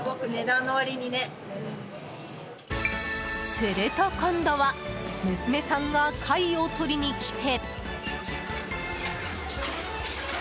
すると、今度は娘さんが貝を取りに来て。